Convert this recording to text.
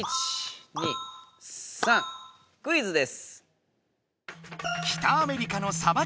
クイズです。